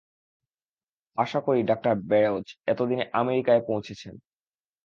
আশা করি ডা ব্যারোজ এতদিনে আমেরিকায় পৌঁছেছেন।